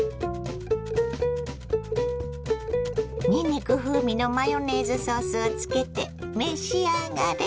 にんにく風味のマヨネーズソースをつけて召し上がれ。